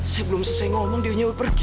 saya belum selesai ngomong dia mau pergi